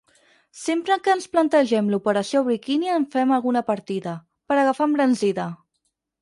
Sempre que ens plantegem l'operació biquini en fem alguna partida, per agafar embranzida!